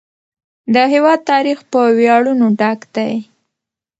د هېواد تاریخ په ویاړونو ډک دی.